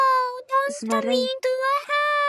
🦬 زمری